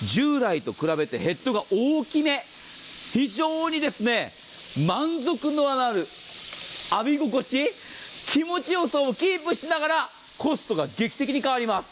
同じ水圧、従来と比べてヘッドが大きめ、非常に満足度のある浴び心地、気持ちよさをキープしながらコストが劇的に変わります。